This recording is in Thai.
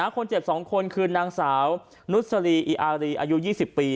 คนเจ็บ๒คนคือนางสาวนุษรีอิอารีอายุ๒๐ปี